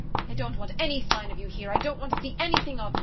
I don't want any sign of you here! I don't want to see anything of you!